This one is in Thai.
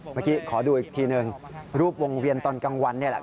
เมื่อกี้ขอดูอีกทีหนึ่งรูปวงเวียนตอนกลางวันนี่แหละ